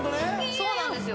そうなんですよ。